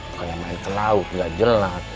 kayak tauran kayak main ke lauk nggak jelat